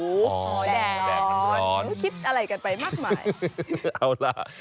แสบน้ำร้อนแสบน้ำร้อนคิดอะไรกันไปมากมายเอาล่ะ